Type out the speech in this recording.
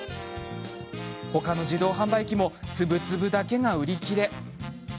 ほかの自動販売機もつぶつぶだけが売り切れ。